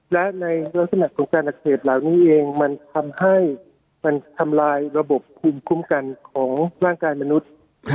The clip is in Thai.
และในลักษณะของการอักเสบเหล่านี้เองมันทำให้มันทำลายระบบภูมิคุ้มกันของร่างกายมนุษย์